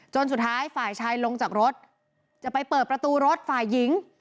สุดท้ายฝ่ายชายลงจากรถจะไปเปิดประตูรถฝ่ายหญิง